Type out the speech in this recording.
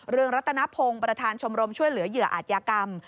รัตนพงศ์ประธานชมรมช่วยเหลือเหยื่ออาจยากรรม